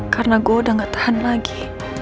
karena gue udah gak tahan lagi